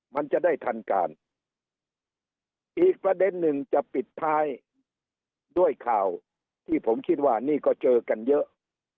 มันจะได้ทันการอีกประเด็นหนึ่งจะปิดท้ายด้วยข่าวที่ผมคิดว่านี่ก็เจอกันเยอะ